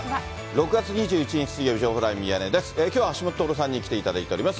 ６月２１日水曜日、情報ライブミヤネ屋です。